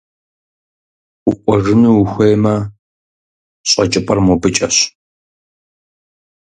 Укӏуэжыну ухуеймэ, щӏэкӏыпӏэр мобыкӏэщ.